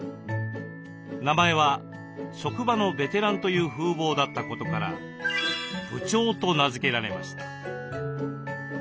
名前は職場のベテランという風貌だったことから「部長」と名付けられました。